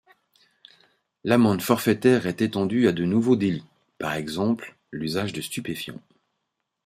L’amende forfaitaire est étendue à de nouveaux délits, par exemple l’usage de stupéfiant.